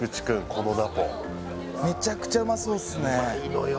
このナポめちゃくちゃうまそうっすねうまいのよ